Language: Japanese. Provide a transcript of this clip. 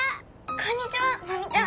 こんにちはマミちゃん！